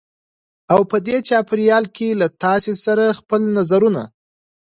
او په دې چاپېریال کې له تاسې سره خپل نظرونه